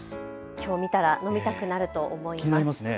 きょう見たら飲みたくなると思いますね。